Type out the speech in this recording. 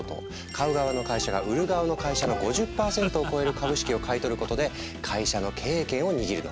買う側の会社が売る側の会社の５０％を超える株式を買い取ることで会社の経営権を握るの。